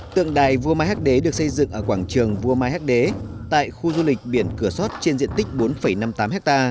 tượng đài vua mai hắc đế được xây dựng ở quảng trường vua mai hắc đế tại khu du lịch biển cửa sót trên diện tích bốn năm mươi tám ha